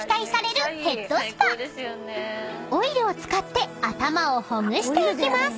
［オイルを使って頭をほぐしていきます］